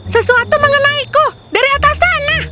sesuatu mengenaiku dari atas sana